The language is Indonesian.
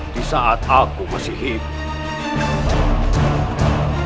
di saat aku masih hidup